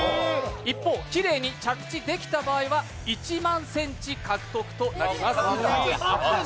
一方、きれいに着地できた場合は１万センチ獲得となります。